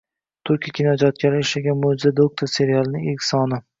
Turkiya kinoijodkorlari ishlagan "Mo‘jiza doktor" serialining ilk soni